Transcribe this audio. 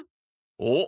おっ！